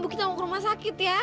ibu kita mau ke rumah sakit ya